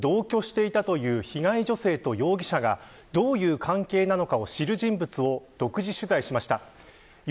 めざまし８は同居していたという被害者女性と容疑者がどういう関係なのかを知る人物を独自取材しました。